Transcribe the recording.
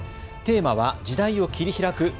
テーマは時代を切り開く！